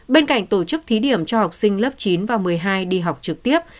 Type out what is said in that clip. bên cạnh tổ chức thí điểm cho học sinh lớp chín và một mươi hai đi học trực tiếp